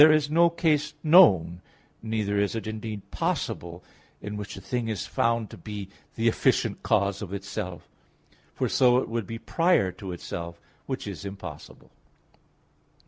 There is no case known (neither is it, indeed, possible) in which a thing is found to be the efficient cause of itself; for so it would be prior to itself, which is impossible.